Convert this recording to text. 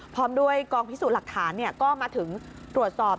พร้อมด้วยกองพิสูจน์หลักฐานก็มาถึงตรวจสอบ